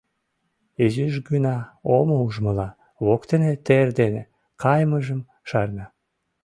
Изиш гына, омо ужмыла, воктене тер дене кайымыжым шарна.